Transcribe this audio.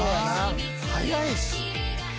・速いし。